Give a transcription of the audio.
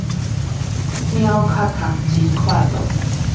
貓巧可真快樂